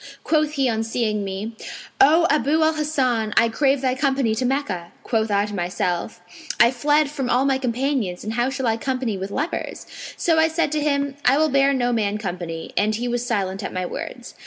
Quoth he on seeing me, 'O Abu al Hasan, I crave thy company to Meccah.' Quoth I to myself, 'I fled from all my companions, and how shall I company with lepers?' So I said to him, 'I will bear no man company'; and he was silent at my words.